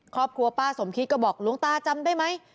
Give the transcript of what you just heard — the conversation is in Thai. ครอบครัวป้าสมคิดก็บอกหลวงตาจำได้ไหม